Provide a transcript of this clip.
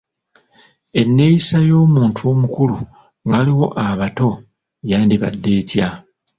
Enneeyisa y’omuntu omukulu nga waliwo abato yandibadde etya?